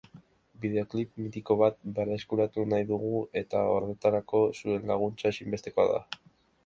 Bideoklip mitiko bat berreskuratu nahi dugu eta horretarako zuen laguntza ezinbestekoa da.